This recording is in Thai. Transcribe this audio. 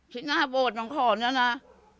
ขี้หน้าโบทน้องของรนา